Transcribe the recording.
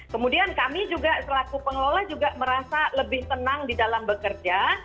kemudian kami juga selaku pengelola juga merasa lebih tenang di dalam bekerja